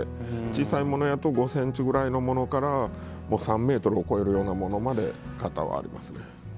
小さいものやと５ｃｍぐらいのものぐらいから３ｍを超えるようなものまで型はありますね。